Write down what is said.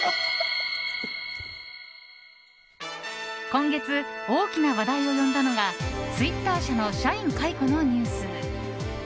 今月、大きな話題を呼んだのがツイッター社の社員解雇のニュース。